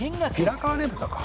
平川ねぷたか